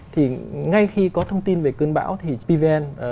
thì ngay khi có thông tin về cơn bão thì pvn